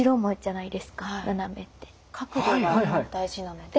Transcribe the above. はい角度が大事なので。